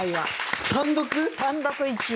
単独１位。